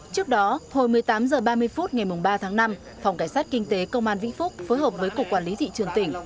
trước đó hồi một mươi tám h ba mươi phút ngày ba tháng năm phòng cảnh sát kinh tế công an vĩnh phúc phối hợp với cục quản lý thị trường tỉnh